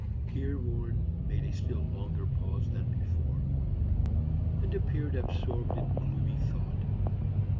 Here Warren made a still longer pause than before, and appeared absorbed in gloomy thought.